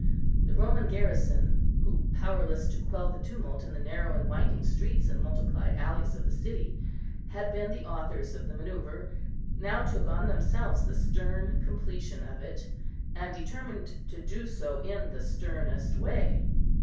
The Roman garrison, who, powerless to quell the tumult in the narrow and winding streets and multiplied alleys of the city, had been the authors of the manœuvre, now took on themselves the stern completion of it, and determined to do so in the sternest way.